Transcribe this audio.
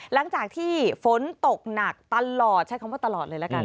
หลังจากที่ฝนตกหนักตลอดใช้คำว่าตลอดเลยละกัน